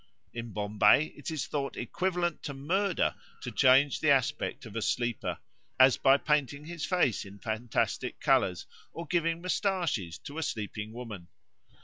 In Bombay it is thought equivalent to murder to change the aspect of a sleeper, as by painting his face in fantastic colours or giving moustaches to a sleeping woman.